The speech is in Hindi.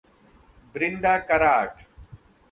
Brinda Karat